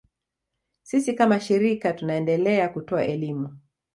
Sisi kama shirika tunaendelea kutoa elimu